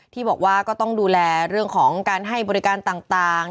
ที่บอกว่าก็ต้องดูแลเรื่องของการให้บริการต่าง